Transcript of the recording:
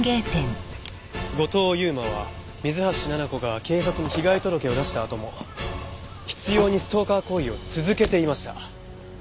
後藤佑馬は水橋奈々子が警察に被害届を出したあとも執拗にストーカー行為を続けていました。